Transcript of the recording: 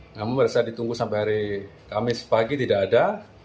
almarhum berusaha ditunggu sampai hari kamis pagi tidak ada